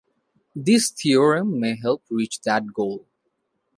This theorem may help reach that goal.